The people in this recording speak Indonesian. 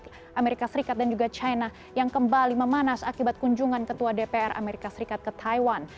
di amerika serikat dan juga china yang kembali memanas akibat kunjungan ketua dpr amerika serikat ke taiwan